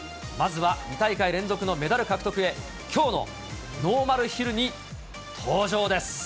まずは２大会連続のメダル獲得へ、きょうのノーマルヒルに登場です。